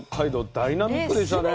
ダイナミックでしたね。